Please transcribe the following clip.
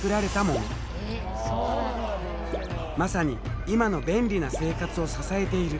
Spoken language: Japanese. まさに今の便利な生活を支えている。